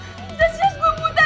udah jelas gue buta dad